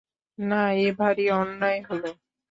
না, এ ভারি অন্যায় হল।